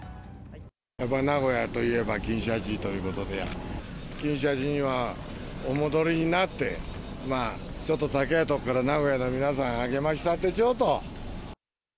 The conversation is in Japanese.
やっぱり名古屋といえば金シャチということで、金シャチにはお戻りになって、まあ、ちょっと高い所から名古屋の皆さん、励ましたってちょうと。